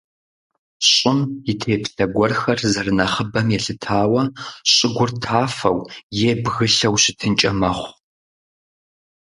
ЩӀым и теплъэ гуэрхэр зэрынэхъыбэм елъытауэ щӀыгур тафэу е бгылъэу щытынкӀэ мэхъу.